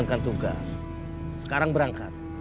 nanti aku mau